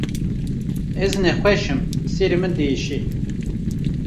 Ez nexweş im, serê min diêşe.